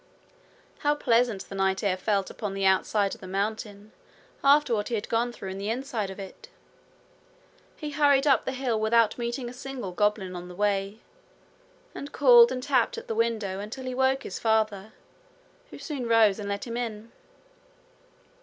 How pleasant the night air felt upon the outside of the mountain after what he had gone through in the inside of it! He hurried up the hill without meeting a single goblin on the way, and called and tapped at the window until he woke his father, who soon rose and let him in.